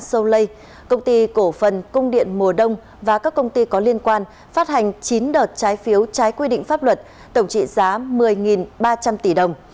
solay công ty cổ phần cung điện mùa đông và các công ty có liên quan phát hành chín đợt trái phiếu trái quy định pháp luật tổng trị giá một mươi ba trăm linh tỷ đồng